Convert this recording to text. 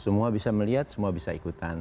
semua bisa melihat semua bisa ikutan